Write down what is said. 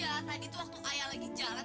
ya tadi tuh waktu ayah lagi jalan